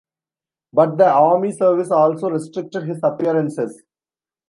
But the army service also restricted his appearances.